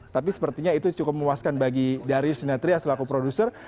tapi sepertinya itu cukup mewaskan bagi darius sinetrias laku produser